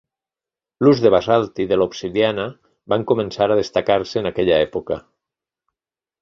L'ús del basalt i de l'obsidiana van començar a destacar-se en aquella època.